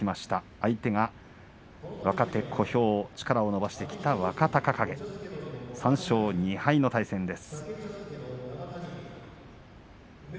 相手は若手小兵、力を伸ばしてきた若隆景３勝２敗の対戦です。